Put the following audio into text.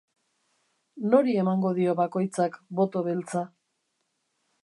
Nori emango dio bakoitzak boto beltza?